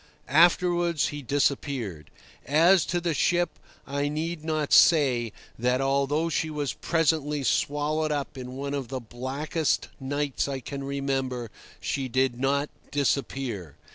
Afterwards he disappeared. As to the ship, I need not say that, although she was presently swallowed up in one of the blackest nights I can remember, she did not disappear.